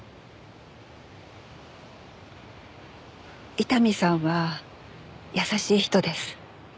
伊丹さんは優しい人です。